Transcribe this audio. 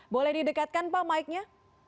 boleh didekatkan pak mike nya